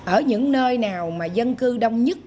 ở những nơi nào mà dân cư đông nhất